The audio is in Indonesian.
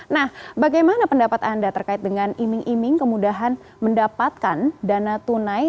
nah bagaimana pendapat anda terkait dengan iming iming kemudahan mendapatkan dana tunai